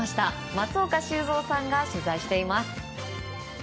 松岡修造さんが取材しています。